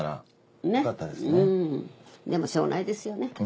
でもしようがないですよね。